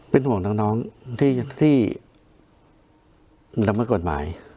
เป็นห่วงน้องที่ละเมิดกฎหมาย